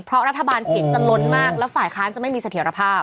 เพราะรัฐบาลเสียงจะล้นมากแล้วฝ่ายค้านจะไม่มีเสถียรภาพ